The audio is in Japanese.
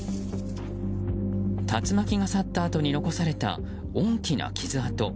竜巻が去ったあとに残された大きな傷跡。